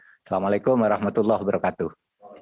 assalamu'alaikum warahmatullahi wabarakatuh